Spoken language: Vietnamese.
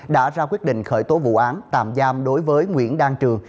đã ra quyết định khởi tố vụ án tạm giam đối với nguyễn đăng trường